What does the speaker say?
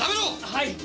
はい！